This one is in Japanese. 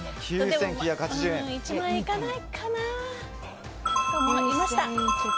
１万円いかないかなと思いました。